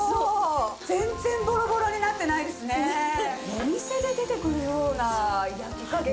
お店で出てくるような焼き加減。